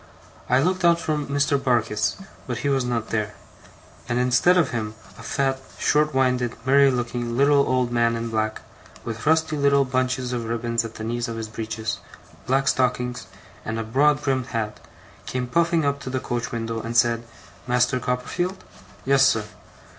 I looked out for Mr. Barkis, but he was not there; and instead of him a fat, short winded, merry looking, little old man in black, with rusty little bunches of ribbons at the knees of his breeches, black stockings, and a broad brimmed hat, came puffing up to the coach window, and said: 'Master Copperfield?' 'Yes, sir.